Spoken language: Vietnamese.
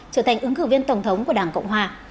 trở thành ứng cử viên tổng thống của đảng cộng hòa